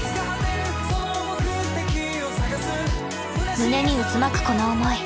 胸に渦巻くこの思い。